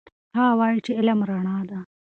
هغه وایي چې علم رڼا ده.